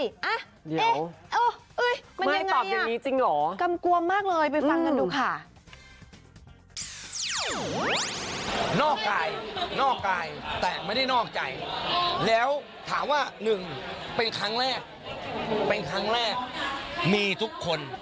เดี๋ยวไม่ตอบอย่างนี้จริงหรอไปฟังกันดูค่ะ